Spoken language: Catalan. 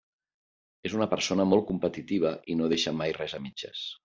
És una persona molt competitiva i no deixa mai res a mitges.